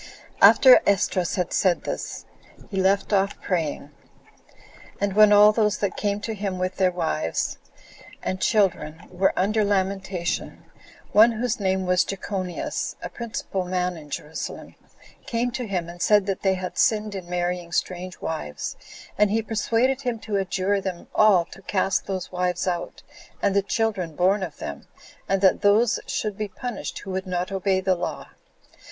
4. After Esdras had said this, he left off praying; and when all those that came to him with their wives and children were under lamentation, one whose name was Jechonias, a principal man in Jerusalem, came to him, and said that they had sinned in marrying strange wives; and he persuaded him to adjure them all to cast those wives out, and the children born of them, and that those should be punished who would not obey the law.